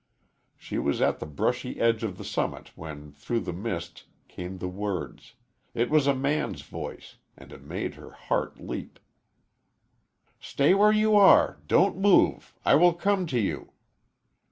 She was at the brushy edge of the summit when through the mist came the words it was a man's voice, and it made her heart leap "Stay where you are! Don't move I will come to you!"